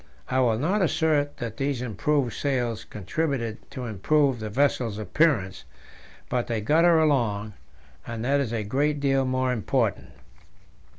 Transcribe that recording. I will not assert that these improvised sails contributed to improve the vessel's appearance, but they got her along, and that is a great deal more important.